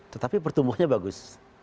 tetapi pertumbuhnya bagus